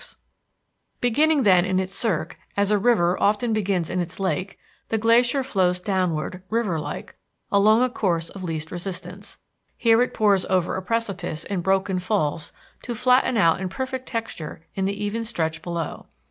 Barnes_ MOUNT RAINIER SEEN FROM TACOMA] Beginning then in its cirque, as a river often begins in its lake, the glacier flows downward, river like, along a course of least resistance. Here it pours over a precipice in broken falls to flatten out in perfect texture in the even stretch below.